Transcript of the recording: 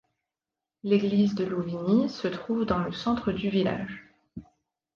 L'église de Louvigny se trouve dans le centre du village.